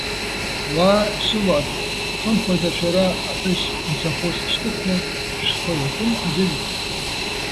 Уа, сыуаажәлар! Хымԥада, шәара аҳәыс нцәахәыс ишьҭыхны, шәхы иакәым азыжәуит.